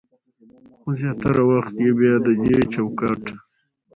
خو زياتره وخت يې بيا د دې چوکاټ